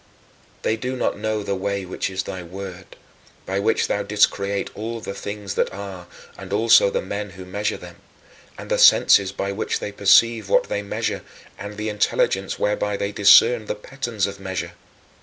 5. They do not know the way which is thy word, by which thou didst create all the things that are and also the men who measure them, and the senses by which they perceive what they measure, and the intelligence whereby they discern the patterns of measure.